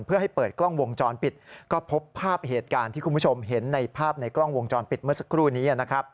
เพื่อให้เปิดกล้องวงจรปิดก็พบภาพเหตุการณ์ที่คุณผู้ชมเห็นในภาพในกล้องวงจรปิดเมื่อสักครู่นี้นะครับ